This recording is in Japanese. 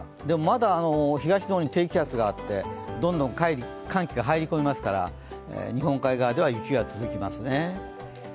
でもまだ東の方に低気圧があってどんどん寒気が入り込みますから日本海側では雪が続きますね。